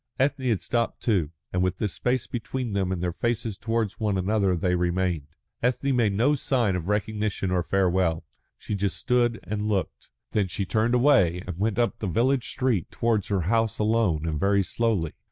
Ethne had stopped, too, and with this space between them and their faces towards one another they remained. Ethne made no sign of recognition or farewell. She just stood and looked. Then she turned away and went up the village street towards her house alone and very slowly.